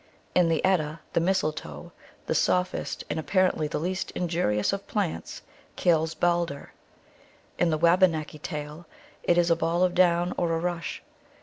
In the Edda the mistletoe, the softest, and apparently the least injurious, of plants, kills Balder ; in the Wabanaki tale it is a ball of down or a rush.